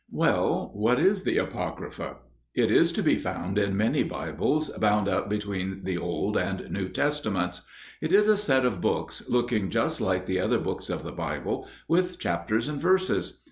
Well, what is "the Apocrypha"? It is to be found in many Bibles, bound up between the Old and the New Testaments. It is a set of books, looking just like the other books of the Bible, with chapters and verses.